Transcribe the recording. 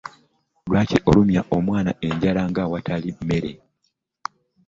Lwaki olumya omwana enjala ng'awatali mmere?